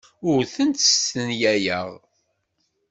Ur tent-stenyayeɣ.